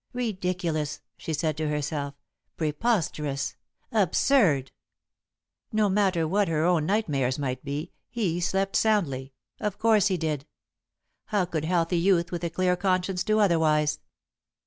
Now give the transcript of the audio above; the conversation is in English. "Ridiculous," she said to herself, "preposterous, absurd!" No matter what her own nightmares might be, he slept soundly of course he did. How could healthy youth with a clear conscience do otherwise?